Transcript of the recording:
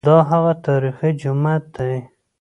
دا هغه تاریخي جومات دی.